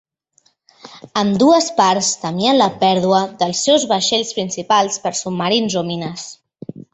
Ambdues parts temien la pèrdua dels seus vaixells principals per submarins o mines.